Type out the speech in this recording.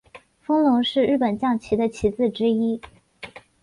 风龙是日本将棋的棋子之一。